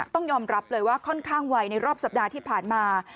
ต้องยอมรับเลยว่าค่อนข้างไวในรอบสัปดาห์ที่ผ่านมา